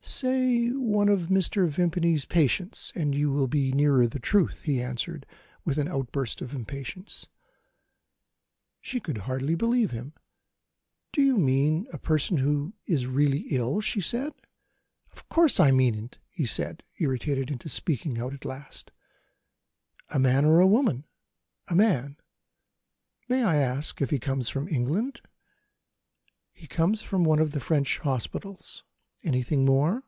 "Say one of Mr. Vimpany's patients and you will be nearer the truth," he answered, with an outburst of impatience. She could hardly believe him. "Do you mean a person who is really ill?" she said. "Of course I mean it," he said; irritated into speaking out, at last. "A man? or a woman?" "A man." "May I ask if he comes from England?" "He comes from one of the French hospitals. Anything more?"